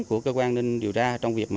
của cơ quan nên điều tra trong việc